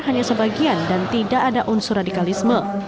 hanya sebagian dan tidak ada unsur radikalisme